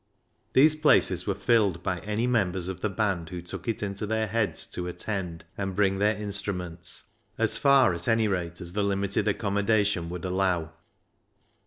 These places were filled by any members of the band who took it into their heads to attend and bring their instruments — as far, at any rate, as the limited accommodation would allow.